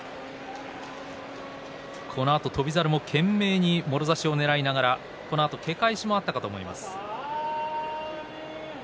このあと翔猿も懸命にもろ差しをねらいながらこのあと、け返しもあったかと思います。